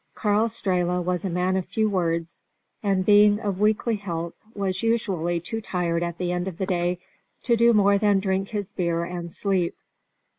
Karl Strehla was a man of few words, and, being of weakly health, was usually too tired at the end of the day to do more than drink his beer and sleep.